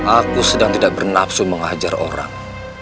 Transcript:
aku sedang tidak bernafsu menghajar orang